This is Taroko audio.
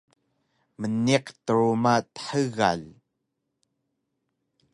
Mniq truma dxgal